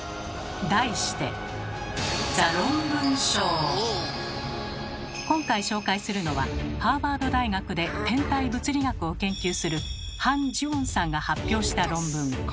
題して今回紹介するのはハーバード大学で天体物理学を研究するハンジウォンさんが発表した論文。